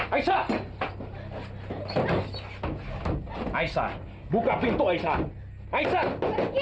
aisyah aisyah buka pintu aisyah aisyah buka pintunya